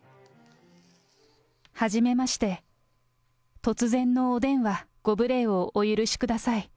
はじめまして、突然のお電話、ご無礼をお許しください。